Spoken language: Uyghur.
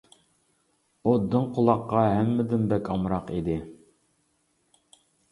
ئۇ دىڭ قۇلاققا ھەممىدىن بەك ئامراق ئىدى.